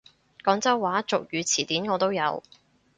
廣州話俗語詞典我都有！